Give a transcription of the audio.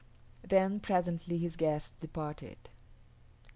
Then presently his guests departed.